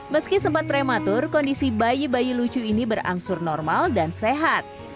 meski sempat prematur kondisi bayi bayi lucu ini berangsur normal dan sehat